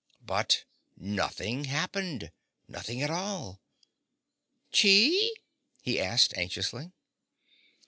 But nothing happened! Nothing at all. "Chee?" he asked anxiously.